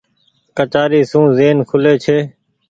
ڪچآري سون زين کولي ڇي۔